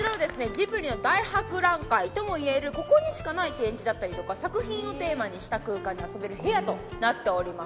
ジブリの大博覧会ともいえるここにしかない展示だったりとか作品をテーマにした空間で遊べる部屋となっております